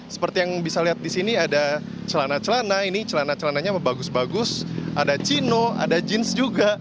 seperti yang bisa lihat di sini ada celana celana ini celana celananya bagus bagus ada chino ada jeans juga